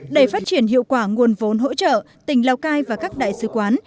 để phát triển hiệu quả nguồn vốn hỗ trợ tỉnh lào cai và các đại sứ quán